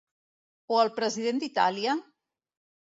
O el president d’Itàlia?